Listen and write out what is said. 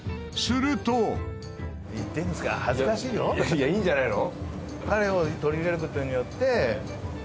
いやいいんじゃないの？